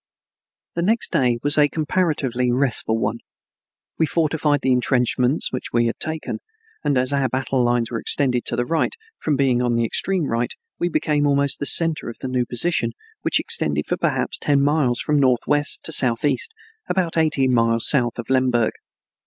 The next day was a comparatively restful one. We fortified the entrenchments which we had taken, and as our battle lines were extended to the right, from being the extreme right we became almost the center of the new position which extended for perhaps ten miles from northwest to southeast about eighteen miles south of Lemberg.